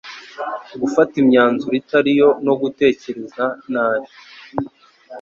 Gufata imyanzuro itariyo no gutekereza nabi